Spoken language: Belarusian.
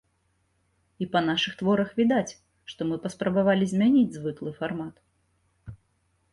І па нашых творах відаць, што мы паспрабавалі змяніць звыклы фармат.